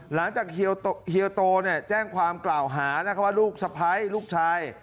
หลังจากเฮียโตแจ้งความกล่าวหาว่าลูกสะพ้ายลูกชาย